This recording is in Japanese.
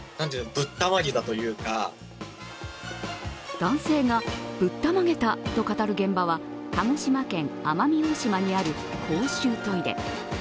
男性がぶったまげたと語る現場は鹿児島県奄美大島にある公衆トイレ。